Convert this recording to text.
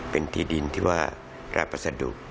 เป็นที่ดินที่ว่ารับวัสดุ